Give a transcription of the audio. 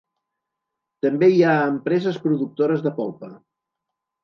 També hi ha empreses productores de polpa.